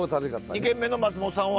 ２軒目の松本さんは？